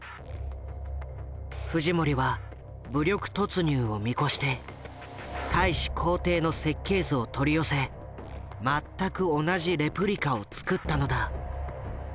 フジモリは武力突入を見越して大使公邸の設計図を取り寄せ全く同じレプリカを造ったのだ。